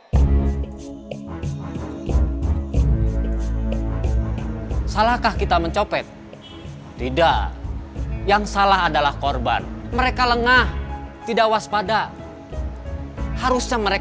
hai salahkah kita mencopet tidak yang salah adalah korban mereka lengah tidak waspada harusnya mereka